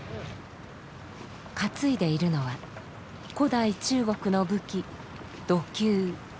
担いでいるのは古代中国の武器弩弓。